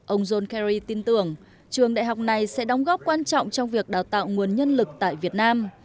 ông john kerry tin tưởng trường đại học này sẽ đóng góp quan trọng trong việc đào tạo nguồn nhân lực tại việt nam